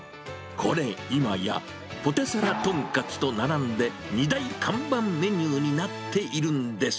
これ、今や、ポテサラトンカツと並んで、２大看板メニューになっているんです。